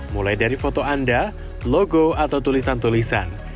mulai dari foto anda logo atau tulisan tulisan